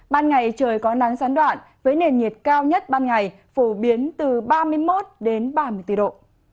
ban ngày trời có nắng gián đoạn với nền nhiệt cao nhất ban ngày phổ biến từ ba mươi một đến ba mươi bốn độ